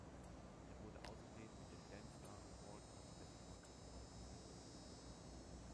Er wurde außerdem mit dem Dance Star Award als „Best Artist“ ausgezeichnet.